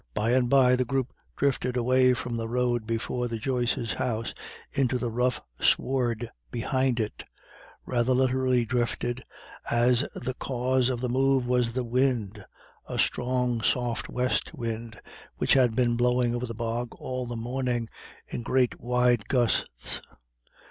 By and by the group drifted away from the road before the Joyces' house into the rough sward behind it; rather literally drifted, as the cause of the move was the wind, a strong soft west wind which had been blowing over the bog all the morning in great wide gusts.